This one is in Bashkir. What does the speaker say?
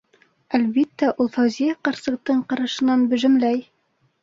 Әлбиттә, ул Фәүзиә ҡарсыҡтың ҡарашынан бөжөмләй.